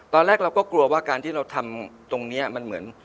ตอนแรกเราก็กลัวว่าการที่เราทำตรงนี้มันเหมือน